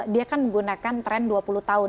dia kan menggunakan tren dua puluh tahun